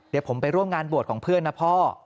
เดี๋ยวผมไปร่วมงานบวชของเพื่อนนะพ่อ